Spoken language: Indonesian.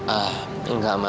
ah enggak ma